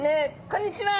こんにちは！